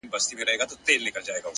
هره تجربه د ځان پېژندنې وسیله ده؛